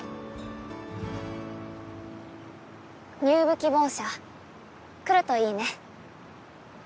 入部希望者来るといいね。